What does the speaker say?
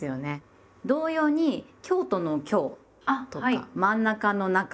同様に京都の「京」とか真ん中の「中」